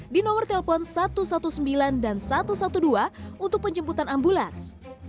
di nomor telepon satu ratus sembilan belas dan satu ratus dua belas untuk penjemputan ambulans